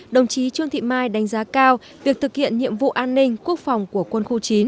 đồng chí trương thị mai đánh giá cao việc thực hiện nhiệm vụ an ninh quốc phòng của quân khu chín